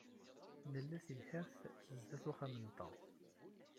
Nla tibḥirt sdat uxxam-nteɣ.